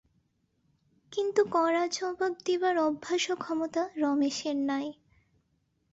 কিন্তু কড়া জবাব দিবার অভ্যাস ও ক্ষমতা রমেশের নাই।